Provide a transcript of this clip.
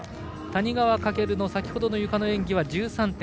谷川翔の先ほどのゆかの演技は１３．８００。